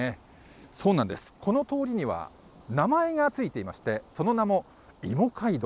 そうなんです、この通りには名前がついていまして、その名もいも街道。